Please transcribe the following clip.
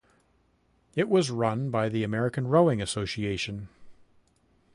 It was run by the American Rowing Association.